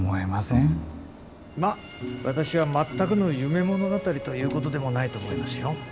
まあ私は全くの夢物語ということでもないと思いますよ。